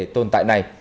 tồn tại này